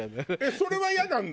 それはイヤなんだ？